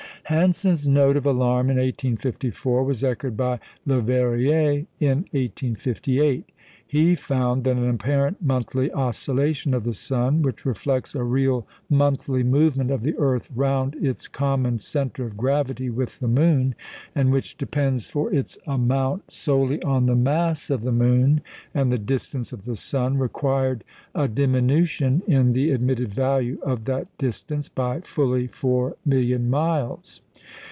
Hansen's note of alarm in 1854 was echoed by Leverrier in 1858. He found that an apparent monthly oscillation of the sun which reflects a real monthly movement of the earth round its common centre of gravity with the moon, and which depends for its amount solely on the mass of the moon and the distance of the sun, required a diminution in the admitted value of that distance by fully four million miles.